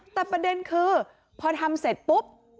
แต่ประเด็นคือพอทำเสร็จปุ๊บ